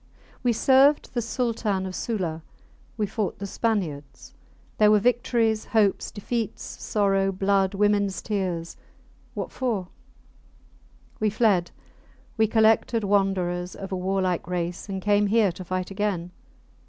We served the Sultan of Sula. We fought the Spaniards. There were victories, hopes, defeats, sorrow, blood, womens tears ... What for? ... We fled. We collected wanderers of a warlike race and came here to fight again.